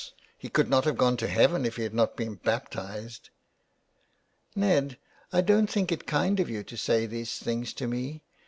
He could not have gone to heaven if he had not been baptised.'' '* Ned, I don't think it kind of you to say these things to me.